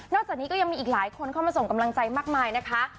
จากนี้ก็ยังมีอีกหลายคนเข้ามาส่งกำลังใจมากมายนะคะ